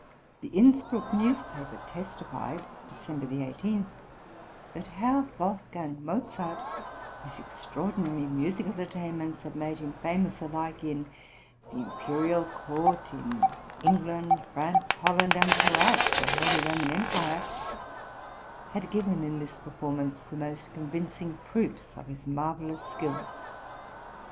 The Inspruck newspaper testified (December 18) that "Herr Wolfgang Mozart, whose extraordinary musical attainments have made him famous alike in the imperial court, in England, France, Holland, and throughout the Holy Roman Empire," had given in this performance the most convincing proofs of his marvellous skill.